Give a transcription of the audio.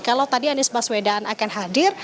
kalau tadi anies baswedan akan hadir